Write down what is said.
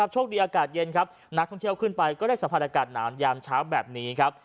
โชคดีอากาศเย็นครับนักท่องเที่ยวขึ้นไปก็ได้สัมผัสอากาศหนาวยามเช้าแบบนี้ครับ